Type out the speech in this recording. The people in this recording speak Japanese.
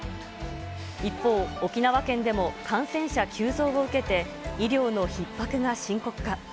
一方、沖縄県でも感染者急増を受けて、医療のひっ迫が深刻化。